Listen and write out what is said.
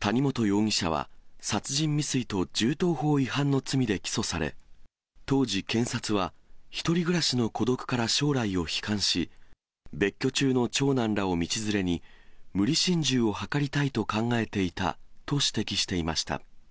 谷本容疑者は、殺人未遂と銃刀法違反の罪で起訴され、当時検察は、１人暮らしの孤独から将来を悲観し、別居中の長男らを道連れに、無理心中を図りたいと考えていたと指摘していました。